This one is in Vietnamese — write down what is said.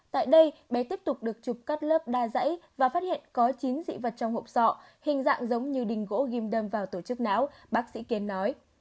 tại đây bé tiếp tục được chụp cắt lớp đa dãy và phát hiện có chín dị vật trong hộp sọ hình dạng giống như đình gỗ ghim đâm vào tổ chức não bác sĩ kiên nói